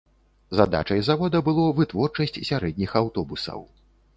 Задачай завода было вытворчасць сярэдніх аўтобусаў.